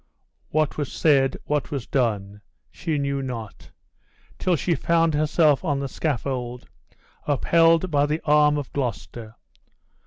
What was said, what was done, she knew not, till she found herself on the scaffold, upheld by the arm of Gloucester.